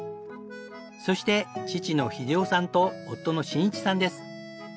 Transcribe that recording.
そして父の秀男さんと夫の伸一さんです。